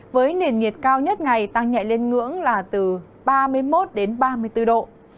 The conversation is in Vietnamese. với nền nhiệt cao nhất ngày tăng nhẹ lên ngưỡng là từ ba mươi một đến ba mươi bốn độ